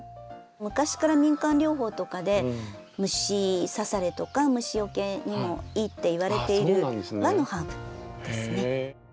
昔から民間療法とかで虫さされとか虫よけにもいいっていわれている和のハーブですね。